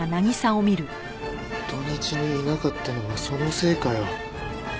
土日にいなかったのはそのせいかよ。